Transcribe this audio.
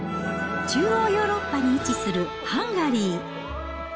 中央ヨーロッパに位置するハンガリー。